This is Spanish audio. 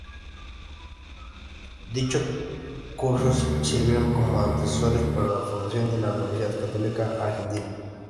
Dichos cursos sirvieron como antecesores para la fundación de la Universidad Católica Argentina.